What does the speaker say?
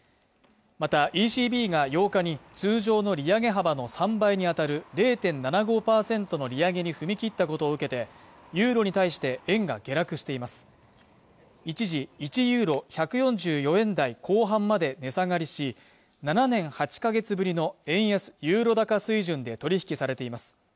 またＥＣＢが８日に通常の利上げ幅の３倍にあたる０．７５％の利上げに踏み切ったことを受けてユーロに対して円が下落しています一時１ユーロ＝１４４円台後半まで値下がりし７年８か月ぶりの円安・ユーロ高水準で取引されています